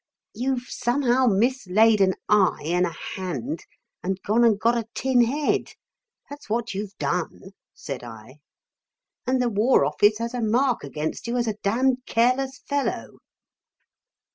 "You've somehow mislaid an eye and a hand and gone and got a tin head. That's what you've done," said I. "And the War Office has a mark against you as a damned careless fellow."